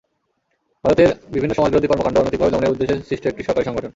ভারতের বিভিন্ন সমাজবিরোধী কর্মকাণ্ড অনৈতিকভাবে দমনের উদ্দেশ্যে সৃষ্ট একটি সরকারি সংগঠন।